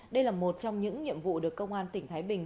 đây là một trong những nhiệm vụ được công an tỉnh thái bình